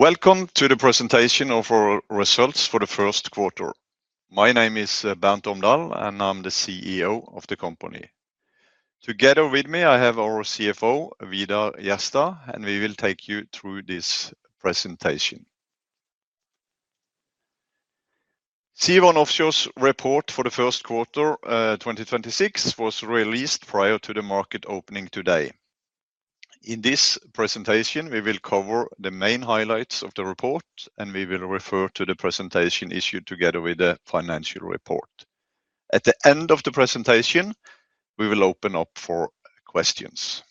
Welcome to the presentation of our results for the first quarter. My name is Bernt Omdal, and I'm the CEO of the company. Together with me, I have our CFO, Vidar Jerstad, and we will take you through this presentation. Sea1 Offshore's report for the first quarter, 2026 was released prior to the market opening today. In this presentation, we will cover the main highlights of the report, and we will refer to the presentation issued together with the financial report. At the end of the presentation, we will open up for questions.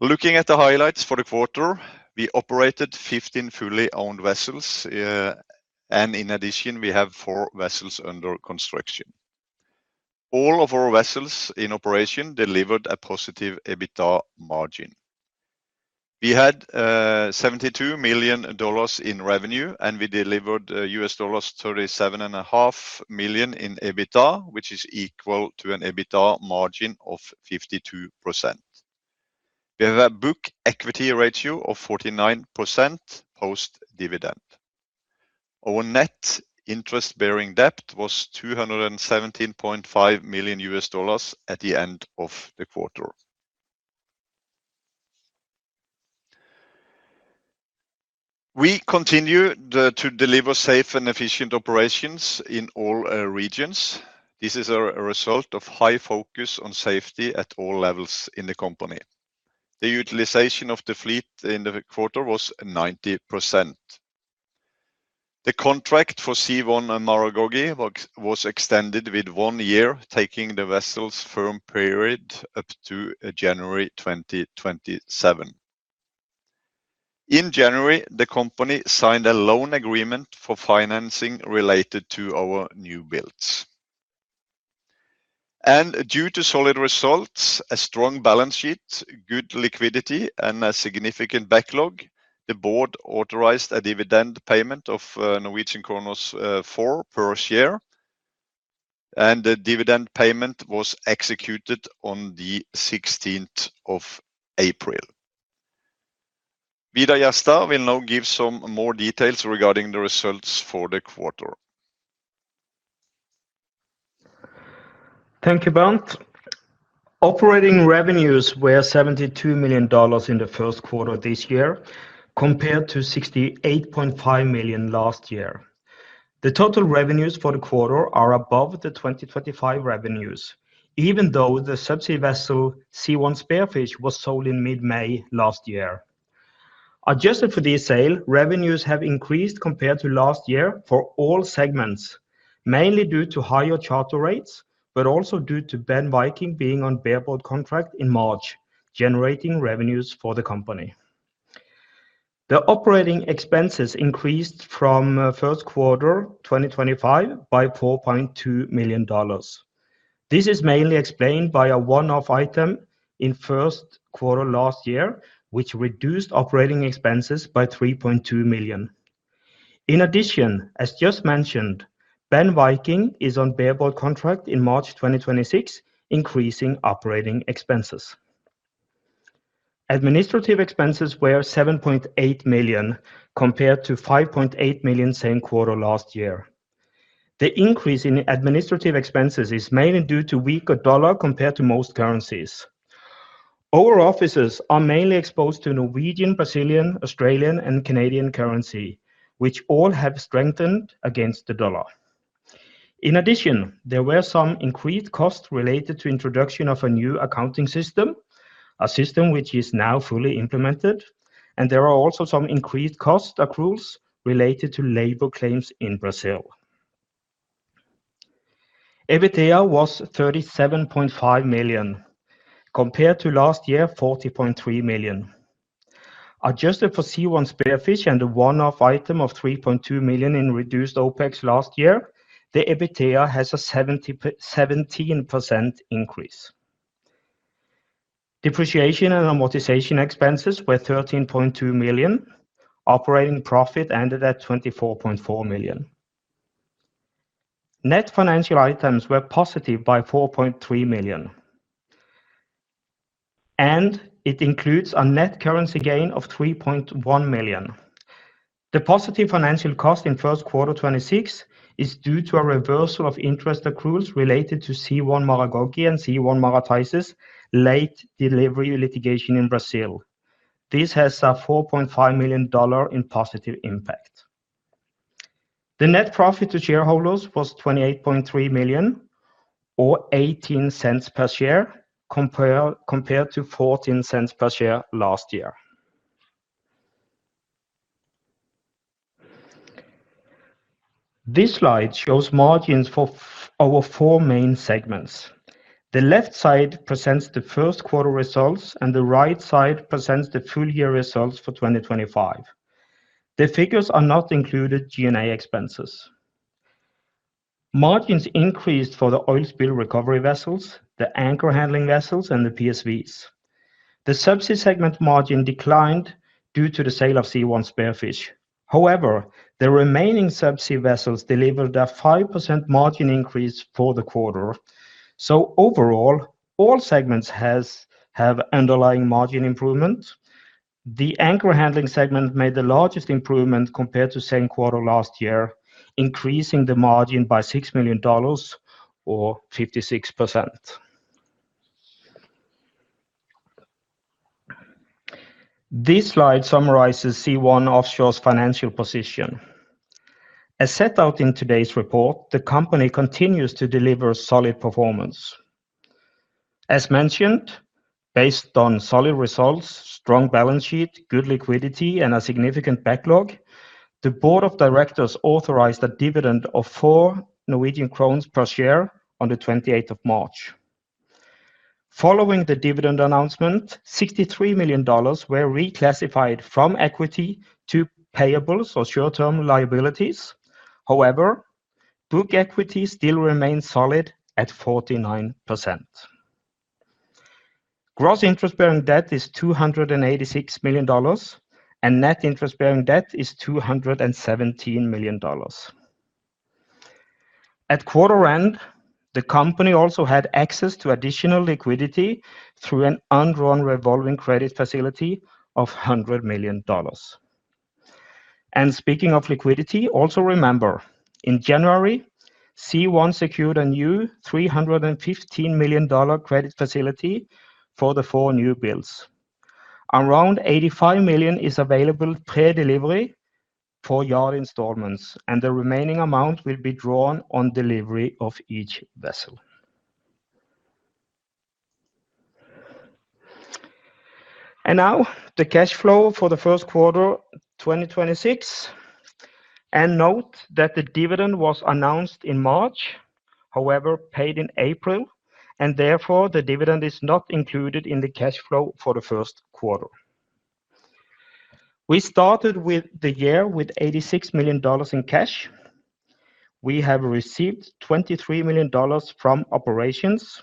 Looking at the highlights for the quarter, we operated 15 fully owned vessels, and in addition, we have four vessels under construction. All of our vessels in operation delivered a positive EBITDA margin. We had $72 million in revenue, and we delivered $37.5 million in EBITDA, which is equal to an EBITDA margin of 52%. We have a book equity ratio of 49% post-dividend. Our net interest-bearing debt was $217.5 million at the end of the quarter. We continue to deliver safe and efficient operations in all regions. This is a result of high focus on safety at all levels in the company. The utilization of the fleet in the quarter was 90%. The contract for Sea1 Maragogi was extended with one year, taking the vessel's firm period up to January 2027. In January, the company signed a loan agreement for financing related to our new builds. Due to solid results, a strong balance sheet, good liquidity, and a significant backlog, the board authorized a dividend payment of 4 per share, and the dividend payment was executed on the April 16th. Vidar Jerstad will now give some more details regarding the results for the quarter. Thank you, Bernt. Operating revenues were $72 million in the first quarter this year, compared to $68.5 million last year. The total revenues for the quarter are above the 2025 revenues, even though the subsea vessel, Sea1 Spearfish, was sold in mid-May last year. Adjusted for this sale, revenues have increased compared to last year for all segments, mainly due to higher charter rates, but also due to Ben Viking being on bareboat contract in March, generating revenues for the company. The operating expenses increased from first quarter 2025 by $4.2 million. This is mainly explained by a one-off item in first quarter last year, which reduced operating expenses by $3.2 million. In addition, as just mentioned, Ben Viking is on bareboat contract in March 2026, increasing operating expenses. Administrative expenses were $7.8 million, compared to $5.8 million same quarter last year. The increase in administrative expenses is mainly due to weaker dollar compared to most currencies. Our offices are mainly exposed to Norwegian, Brazilian, Australian, and Canadian currency, which all have strengthened against the dollar. There were some increased costs related to introduction of a new accounting system, a system which is now fully implemented, and there are also some increased cost accruals related to labor claims in Brazil. EBITDA was $37.5 million, compared to last year, $40.3 million. Adjusted for Sea1 Spearfish and the one-off item of $3.2 million in reduced OpEx last year, the EBITDA has a 17% increase. Depreciation and amortization expenses were $13.2 million. Operating profit ended at $24.4 million. Net financial items were positive by $4.3 million, and it includes a net currency gain of $3.1 million. The positive financial cost in first quarter 2026 is due to a reversal of interest accruals related to Sea1 Maragogi and Sea1 Marataizes' late delivery litigation in Brazil. This has a $4.5 million in positive impact. The net profit to shareholders was $28.3 million, or $0.18 per share, compared to $0.14 per share last year. This slide shows margins for our four main segments. The left side presents the first quarter results, and the right side presents the full year results for 2025. The figures are not included G&A expenses. Margins increased for the oil spill recovery vessels, the anchor handling vessels, and the PSVs. The subsea segment margin declined due to the sale of Sea1 Spearfish. However, the remaining subsea vessels delivered a 5% margin increase for the quarter. Overall, all segments have underlying margin improvement. The anchor handling segment made the largest improvement compared to same quarter last year, increasing the margin by $6 million or 56%. This slide summarizes Sea1 Offshore's financial position. As set out in today's report, the company continues to deliver solid performance. As mentioned, based on solid results, strong balance sheet, good liquidity, and a significant backlog, the Board of Directors authorized a dividend of 4 Norwegian crowns per share on the March 28th. Following the dividend announcement, $63 million were reclassified from equity to payables or short-term liabilities. However, book equity still remains solid at 49%. Gross interest-bearing debt is $286 million, and net interest-bearing debt is $217 million. At quarter end, the company also had access to additional liquidity through an undrawn revolving credit facility of $100 million. Speaking of liquidity, also remember, in January, Sea1 Offshore secured a new $315 million credit facility for the four new builds. Around $85 million is available pre-delivery for yard installments, and the remaining amount will be drawn on delivery of each vessel. Now the cash flow for the first quarter 2026. Note that the dividend was announced in March, however, paid in April, and therefore, the dividend is not included in the cash flow for the first quarter. We started with the year with $86 million in cash. We have received $23 million from operations.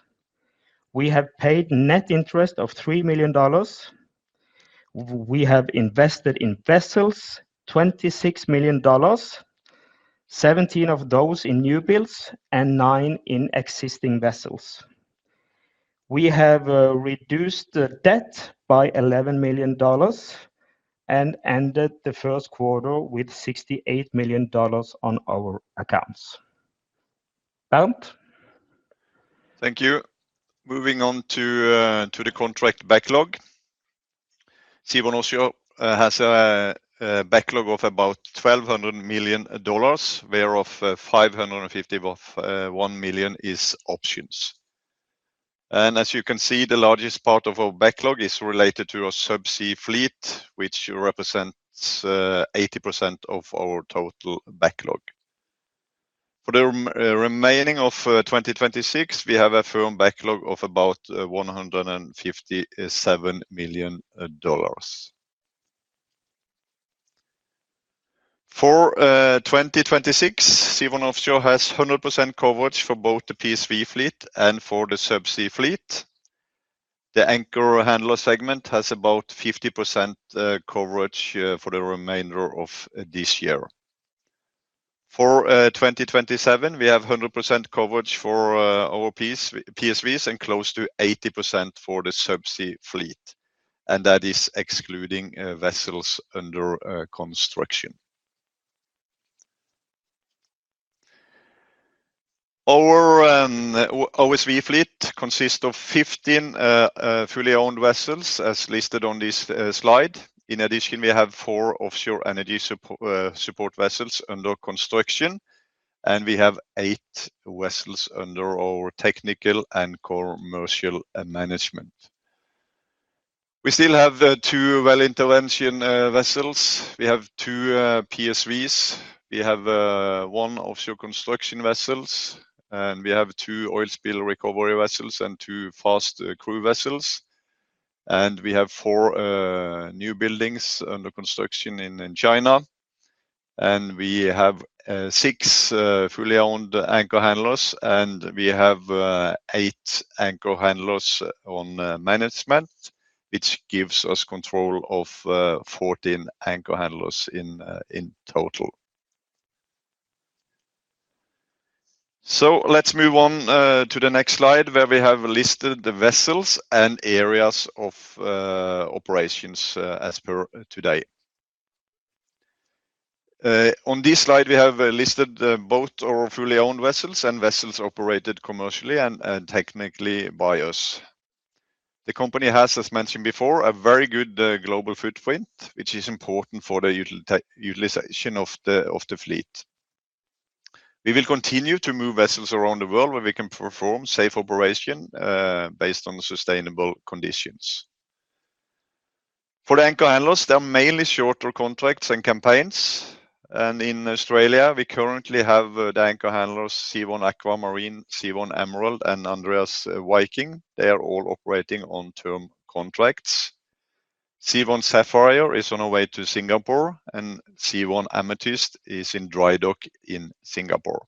We have paid net interest of $3 million. We have invested in vessels $26 million, $17 of those in new builds and $9 in existing vessels. We have reduced the debt by $11 million and ended the first quarter with $68 million on our accounts. Bernt? Thank you. Moving on to the contract backlog. Sea1 Offshore has a backlog of about $1,200 million, whereof $550 of $1 million is options. As you can see, the largest part of our backlog is related to our subsea fleet, which represents 80% of our total backlog. For the remaining of 2026, we have a firm backlog of about $157 million. For 2026, Sea1 Offshore has 100% coverage for both the PSV fleet and for the subsea fleet. The anchor handler segment has about 50% coverage for the remainder of this year. For 2027, we have 100% coverage for our PSVs and close to 80% for the subsea fleet, and that is excluding vessels under construction. Our OSV fleet consists of 15 fully owned vessels as listed on this slide. In addition, we have four offshore energy support vessels under construction, we have eight vessels under our technical and commercial management. We still have two well intervention vessels. We have two PSVs. We have one offshore construction vessels, we have two oil spill recovery vessels and two fast crew vessels. We have four new buildings under construction in China. We have six fully owned anchor handlers, we have eight anchor handlers on management, which gives us control of 14 anchor handlers in total. Let's move on to the next slide, where we have listed the vessels and areas of operations as per today. On this slide, we have listed both our fully owned vessels and vessels operated commercially and technically by us. The company has, as mentioned before, a very good global footprint, which is important for the utilization of the fleet. We will continue to move vessels around the world where we can perform safe operation based on sustainable conditions. For the anchor handlers, they are mainly shorter contracts and campaigns. In Australia, we currently have the anchor handlers, Sea1 Aquamarine, Sea1 Emerald and Andreas Viking. They are all operating on term contracts. Sea1 Sapphire is on our way to Singapore, and Sea1 Amethyst is in dry dock in Singapore.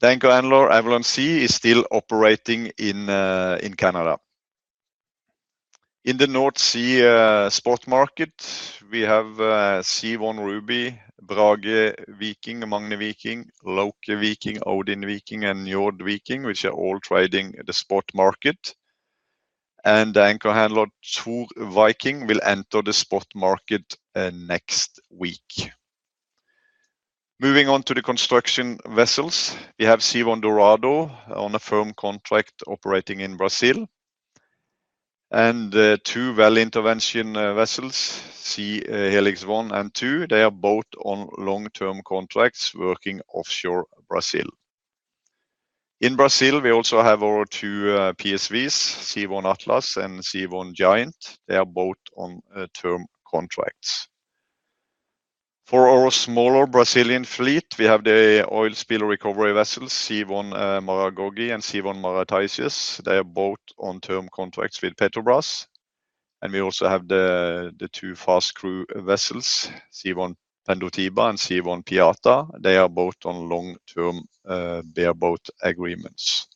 The anchor handler Avalon Sea is still operating in Canada. In the North Sea spot market, we have Sea1 Ruby, Brage Viking, Magne Viking, Loke Viking, Odin Viking, and Njord Viking, which are all trading the spot market. The anchor handler Thor Viking will enter the spot market next week. Moving on to the construction vessels, we have Sea1 Dorado on a firm contract operating in Brazil. Two well intervention vessels, Siem Helix 1 and 2, they are both on long-term contracts working offshore Brazil. In Brazil, we also have our two PSVs, Sea1 Atlas and Sea1 Giant. They are both on term contracts. For our smaller Brazilian fleet, we have the oil spill recovery vessels, Sea1 Maragogi and Sea1 Marataizes. They are both on term contracts with Petrobras. We also have the two fast crew vessels, Sea1 Pendotiba and Sea1 Piata. They are both on long-term bareboat agreements.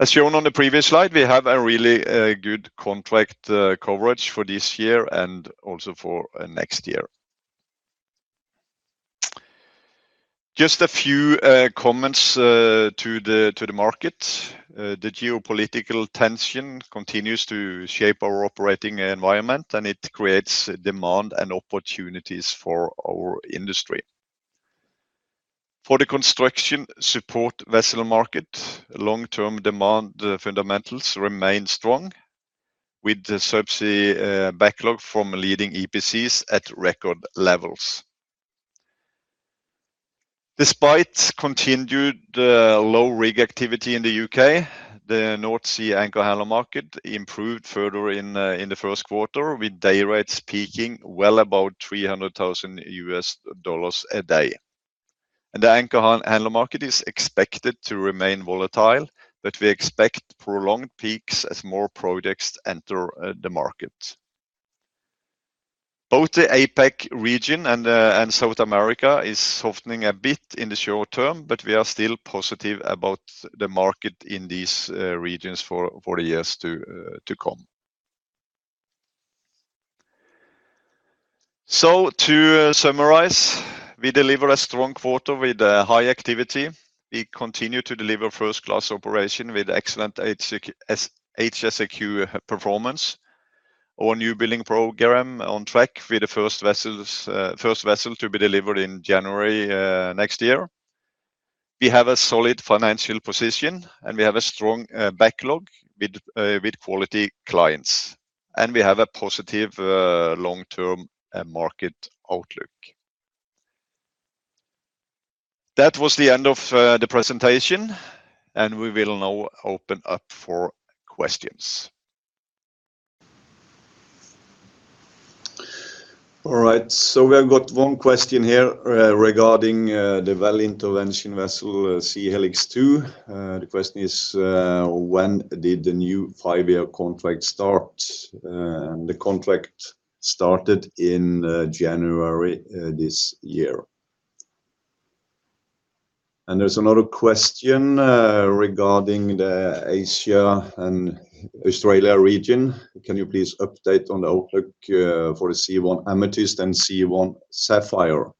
As shown on the previous slide, we have a really good contract coverage for this year and also for next year. Just a few comments to the market. The geopolitical tension continues to shape our operating environment, and it creates demand and opportunities for our industry. For the construction support vessel market, long-term demand fundamentals remain strong with the subsea backlog from leading EPCs at record levels. Despite continued low rig activity in the U.K., the North Sea anchor handler market improved further in the first quarter, with day rates peaking well above $300,000 a day. The anchor handler market is expected to remain volatile, but we expect prolonged peaks as more projects enter the market. Both the APAC region and South America is softening a bit in the short term. We are still positive about the market in these regions for the years to come. To summarize, we deliver a strong quarter with high activity. We continue to deliver first-class operation with excellent HSEQ performance. Our new building program on track with the first vessel to be delivered in January next year. We have a solid financial position. We have a strong backlog with quality clients. We have a positive long-term market outlook. That was the end of the presentation. We will now open up for questions. All right, we have got one question here regarding the well intervention vessel, Siem Helix 2. The question is, "When did the new five-year contract start?" The contract started in January this year. There's another question regarding the Asia and Australia region. "Can you please update on the outlook for the Sea1 Amethyst and Sea1 Sapphire?"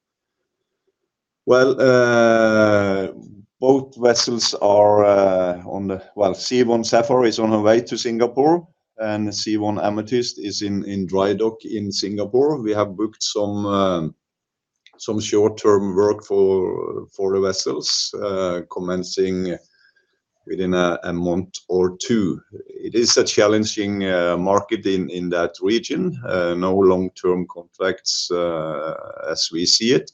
Sea1 Sapphire is on her way to Singapore, and Sea1 Amethyst is in dry dock in Singapore. We have booked some short-term work for the vessels commencing within a month or two. It is a challenging market in that region. No long-term contracts as we see it.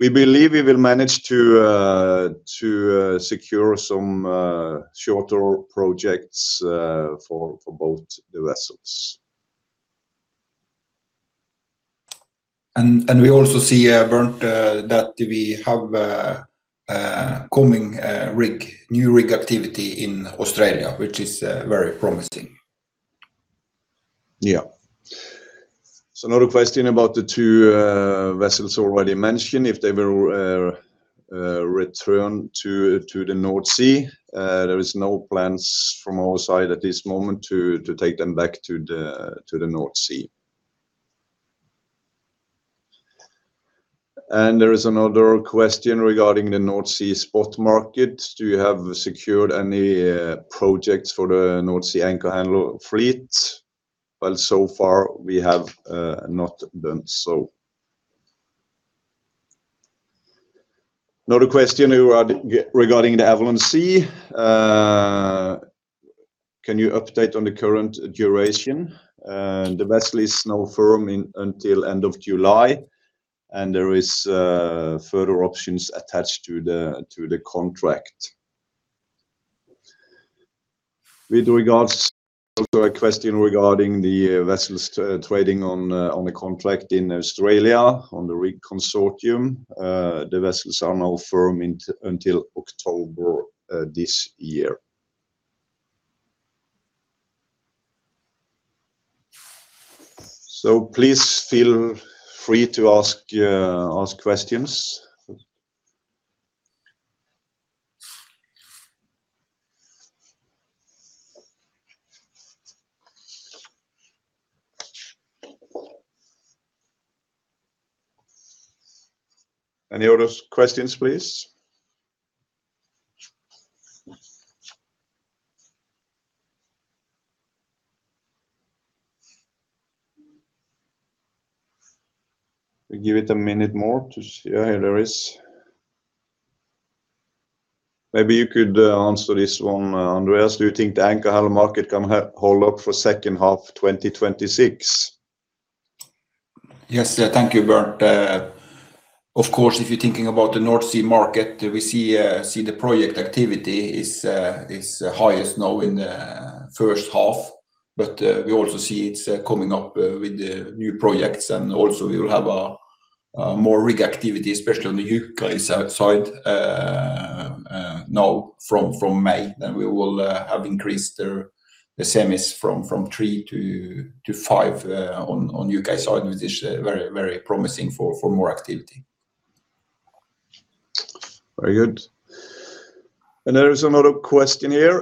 We believe we will manage to secure some shorter projects for both the vessels. We also see, Bernt, that we have coming rig, new rig activity in Australia, which is very promising. Yeah. So another question about the two vessels already mentioned, if they will return to the North Sea. There is no plans from our side at this moment to take them back to the North Sea. There is another question regarding the North Sea spot market. "Do you have secured any projects for the North Sea anchor handler fleet?" Well, so far we have not done so. Another question regarding the Avalon Sea. "Can you update on the current duration?" The vessel is now firm in until end of July, and there is further options attached to the contract. With regards to a question regarding the vessels trading on a contract in Australia on the rig consortium, the vessels are now firm until October this year. Please feel free to ask questions. Any other questions, please? We give it a minute more to see. Here there is. Maybe you could answer this one, Andreas. Do you think the anchor handling market can hold up for second half 2026? Yes. Thank you, Bernt. Of course, if you're thinking about the North Sea market, we see the project activity is highest now in the first half, but we also see it's coming up with the new projects, and also we will have a more rig activity, especially on the U.K. side, now from May, then we will have increased the semis from three to five on U.K. side, which is very promising for more activity. There is another question here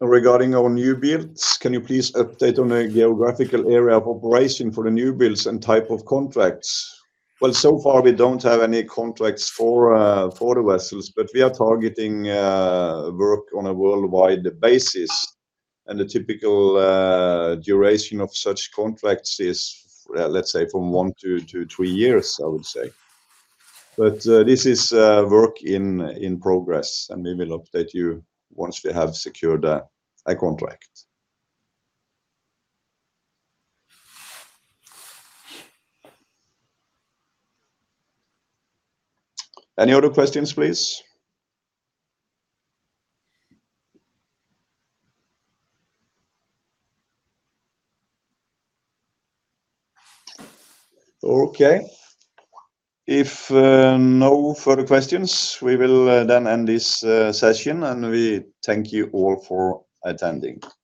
regarding our new builds. Can you please update on the geographical area of operation for the new builds and type of contracts? Well, so far we don't have any contracts for the vessels, but we are targeting work on a worldwide basis, and the typical duration of such contracts is, let's say from one to three years, I would say. This is work in progress, and we will update you once we have secured a contract. Any other questions, please? Okay. If no further questions, we will then end this session, and we thank you all for attending. Thank you